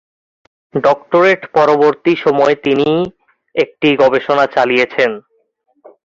Doctorate পরবর্তী সময়ে তিনি একটি গবেষণা চালিয়েছিলেন।